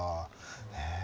ねえ。